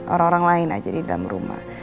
orang orang lain aja di dalam rumah